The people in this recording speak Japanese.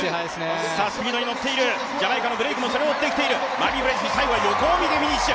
マービン・ブレーシー最後は横を見てフィニッシュ。